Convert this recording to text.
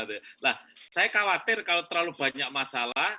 saya khawatir kalau terlalu banyak masalah